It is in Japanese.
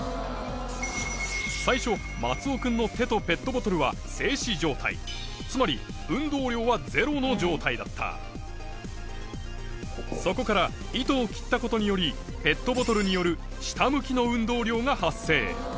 最初松尾君の手とペットボトルはつまり運動量はゼロの状態だったそこから糸を切ったことによりペットボトルによる下向きの運動量が発生